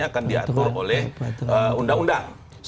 akan diatur oleh undang undang